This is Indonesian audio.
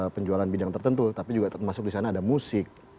penjualan bidang tertentu tapi juga termasuk di sana ada musik